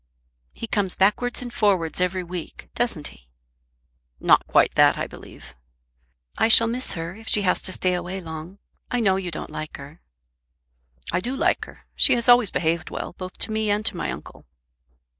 He comes backwards and forwards every week, doesn't he?" "Not quite that, I believe." "I shall miss her, if she has to stay away long. I know you don't like her." "I do like her. She has always behaved well, both to me and to my uncle."